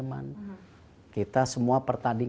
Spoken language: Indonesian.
iya kalau ada saya pakai sepak bola